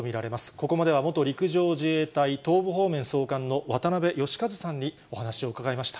ここまでは元陸上自衛隊東部方面総監の渡部悦和さんにお話を伺いました。